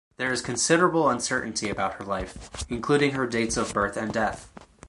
There is considerable uncertainty about her life, including her dates of birth and death.